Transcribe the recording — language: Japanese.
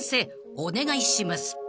お願いします］